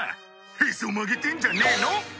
へそ曲げてんじゃねえの？」